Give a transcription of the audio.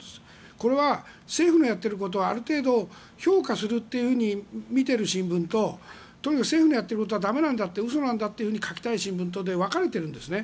これは政府のやっていることをある程度評価するっていうふうに見ている新聞ととにかく政府のやっていることは駄目なんだと嘘なんだと書きたい新聞とで分かれているんですね。